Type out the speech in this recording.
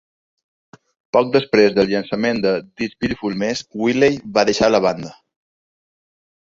Poc després del llançament de "This Beautiful Mess", Wiley va deixar la banda.